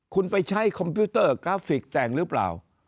คุณไปใช้คอมพิวเตอร์กราฟิกแต่งหรือเปล่า